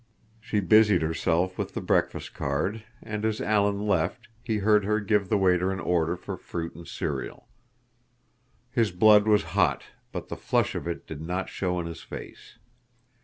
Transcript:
She busied herself with the breakfast card, and as Alan left, he heard her give the waiter an order for fruit and cereal. His blood was hot, but the flush of it did not show in his face.